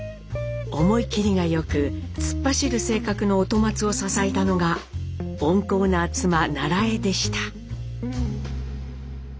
思い切りがよく突っ走る性格の音松を支えたのが温厚な妻ナラエでした。